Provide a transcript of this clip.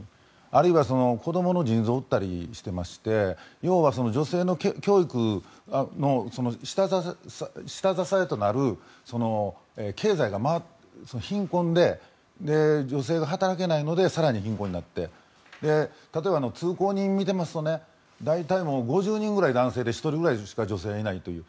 あるいは子どもの腎臓を売ったりしていまして要は女性の教育の下支えとなる経済が貧困で女性が働けないので更に貧困になって例えば通行人を見ていますと大体５０人ぐらいが男性で１人ぐらいしか女性がいないという。